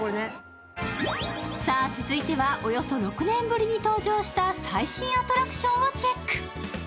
続いては、およそ６年ぶりに登場した最新アトラクションをチェック。